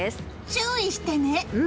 注意してね！